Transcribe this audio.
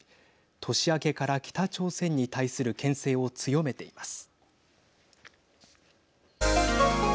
年明けから北朝鮮に対するけん制を強めています。